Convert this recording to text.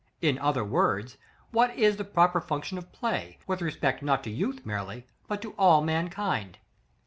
In other words, what is the proper function of play, with respect not to youth merely, but to all mankind?